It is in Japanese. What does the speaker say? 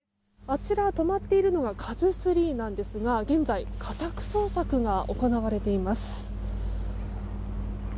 あちらに止まっているのが「ＫＡＺＵ３」なんですが現在、家宅捜索が行われています。